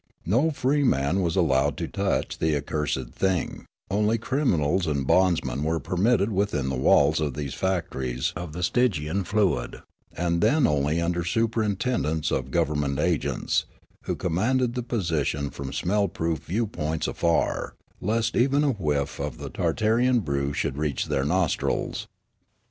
No freeman was allowed to touch the accursed thing ; only criminals and bondsmen were permitted within the walls of these factories of the Stygian fluid, and then only under superintendence of government agents, who commanded the position from smell proof view points afar, lest even a whiff of the Tartarean brew should reach their nostrils.